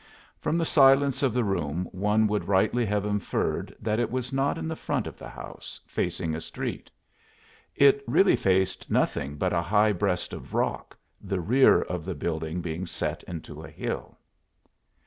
From the silence of the room one would rightly have inferred that it was not in the front of the house, facing a street. It really faced nothing but a high breast of rock, the rear of the building being set into a hill.